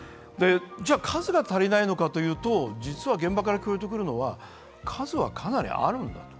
じゃあ、数が足りないのかというと実は現場から聞こえてくる声は数はかなりあるんだと。